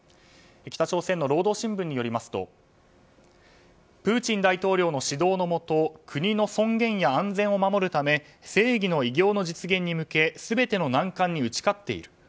北朝鮮の労働新聞によりますとプーチン大統領の指導のもと国の尊厳や安全を守るため正義の偉業の実現に向け全ての難関に打ち勝っている。